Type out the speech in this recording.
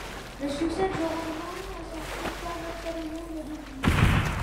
Le succès du roman a sorti Charlotte Salomon de l'oubli.